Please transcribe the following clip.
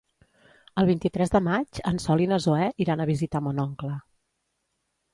El vint-i-tres de maig en Sol i na Zoè iran a visitar mon oncle.